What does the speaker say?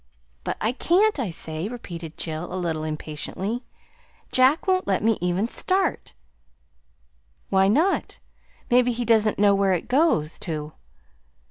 "But I can't, I say," repeated Jill, a little impatiently. "Jack won't let me even start." "Why not? Maybe he doesn't know where it goes to."